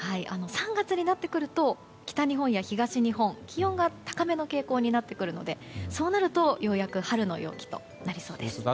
３月になってくると北日本や東日本は気温が高めの傾向になってくるのでそうなると、ようやく春の陽気となりそうです。